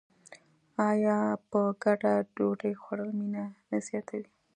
آیا په ګډه ډوډۍ خوړل مینه نه زیاتوي؟